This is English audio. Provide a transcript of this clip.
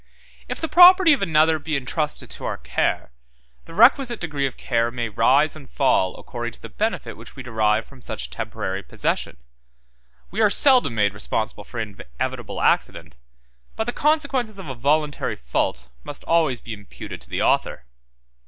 If the property of another be intrusted to our care, the requisite degree of care may rise and fall according to the benefit which we derive from such temporary possession; we are seldom made responsible for inevitable accident, but the consequences of a voluntary fault must always be imputed to the author.